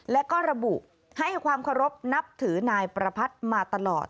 และก็ระบุให้ความเคารพนับถือนายประพัทธ์มาตลอด